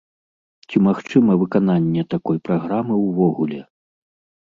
Ці магчыма выкананне такой праграмы ўвогуле?